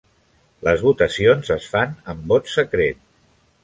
Les votacions es fan amb vot secret.